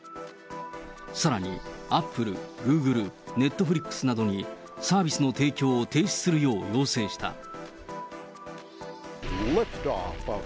さらにアップル、グーグル、ネットフリックスなどに、サービスの提供を停止するよう要請した。